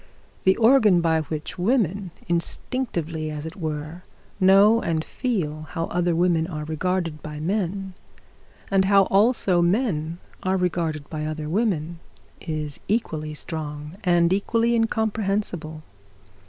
The organ by which woman instinctively, as it were, know and feel how other women are regarded by men, and how also men are regarded by other women, is equally strong, and equally incomprehensible.